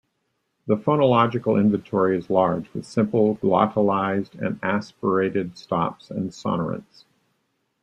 The phonological inventory is large, with simple, glottalized and aspirated stops and sonorants.